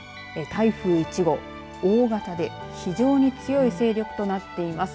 台風１号、大型で非常に強い勢力となっています。